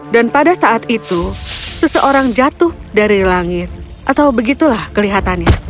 dan pada saat itu seseorang jatuh dari langit atau begitulah kelihatannya